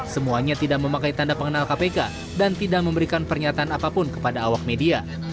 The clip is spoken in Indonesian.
semuanya tidak memakai tanda pengenal kpk dan tidak memberikan pernyataan apapun kepada awak media